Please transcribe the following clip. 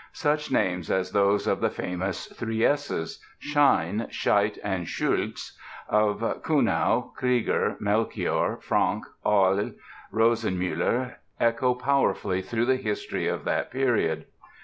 Such names as those of the famous "three S's"—Schein, Scheidt and Schütz—of Kuhnau, Krieger, Melchior Franck, Ahle, Rosenmüller, echo powerfully through the history of that period.